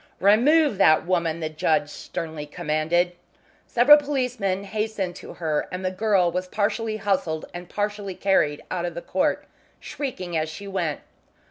"Remove that woman," the judge sternly commanded. Several policemen hastened to her, and the girl was partly hustled and partly carried out of court, shrieking as she went.